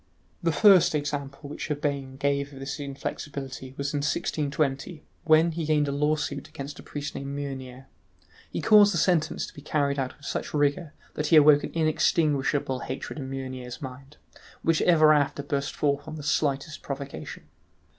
The first example which Urbain gave of this inflexibility was in 1620, when he gained a lawsuit against a priest named Meunier. He caused the sentence to be carried out with such rigour that he awoke an inextinguishable hatred in Meunier's mind, which ever after burst forth on the slightest provocation.